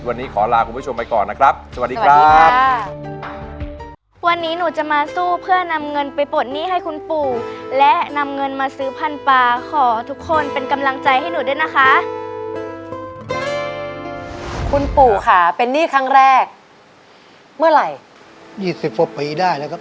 วันนี้ขอลาคุณผู้ชมไปก่อนนะครับสวัสดีครับ